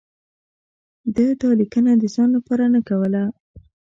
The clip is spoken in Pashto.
ده دا لیکنه د ځان لپاره نه کوله.